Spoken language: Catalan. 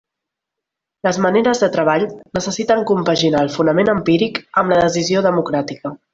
Les maneres de treball necessiten compaginar el fonament empíric amb la decisió democràtica.